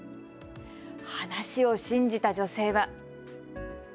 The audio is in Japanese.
話を信じた女性は。